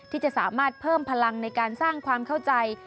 ที่จะสามารถเพิ่มพลังในการสร้างความเข้าใจ